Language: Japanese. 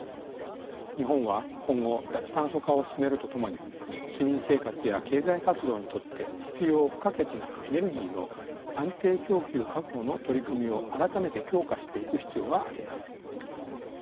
日本は今後脱炭素化を進めるとともに市民生活や経済活動にとって必要不可欠なエネルギーの安定供給確保の取り組みを改めて強化していく必要があります。